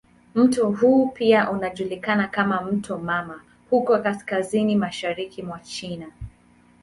Mto huo pia unajulikana kama "mto mama" huko kaskazini mashariki mwa China.